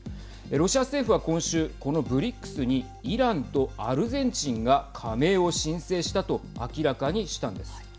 ロシア政府は今週このＢＲＩＣＳにイランとアルゼンチンが加盟を申請したと明らかにしたんです。